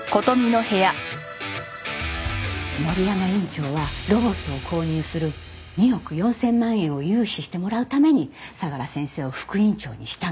森山院長はロボットを購入する２億４０００万円を融資してもらうために相良先生を副院長にしたの。